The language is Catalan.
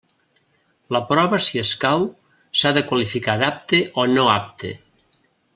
La prova si escau, s'ha de qualificar d'apte o no apte.